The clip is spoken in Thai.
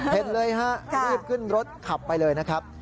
เห็นเลยฮะรีบขึ้นรถขับไปเลยนะครับ